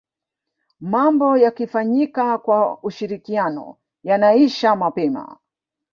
mambo yakifanyika kwa ushirikiano yanaisha mapema